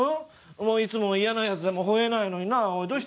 お前いつも嫌なやつでも吠えないのになおいどうした？